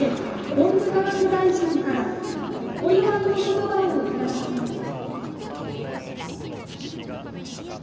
文部科学大臣からお祝いの言葉をいただきます。